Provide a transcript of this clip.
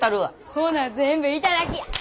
ほな全部頂きや！